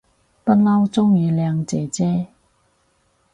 不嬲鍾意靚姐姐